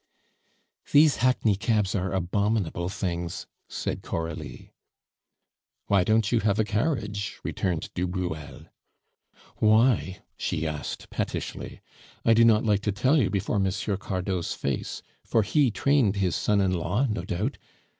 "These hackney cabs are abominable things," said Coralie. "Why don't you have a carriage?" returned du Bruel. "Why?" she asked pettishly. "I do not like to tell you before M. Cardot's face; for he trained his son in law, no doubt.